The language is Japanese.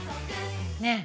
ねえ。